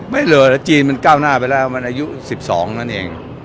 ไม่เหลือแล้วจีนมันก้าวหน้าไปแล้วมันอายุ๑๒นั่นเอง